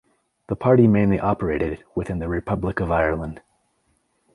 The party mainly operated within the Republic of Ireland.